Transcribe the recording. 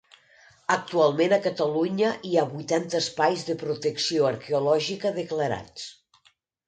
Actualment a Catalunya hi ha vuitanta Espais de Protecció Arqueològica declarats.